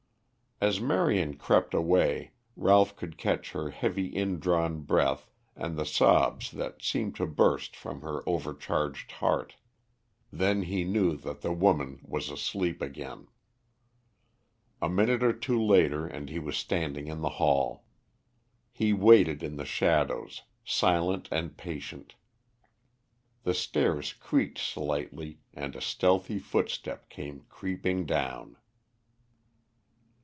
As Marion crept away Ralph could catch her heavy indrawn breath and the sobs that seemed to burst from her overcharged heart. Then he knew that the woman was asleep again. A minute or two later and he was standing in the hall. He waited in shadow, silent and patient. The stairs creaked slightly and a stealthy footstep came creeping down.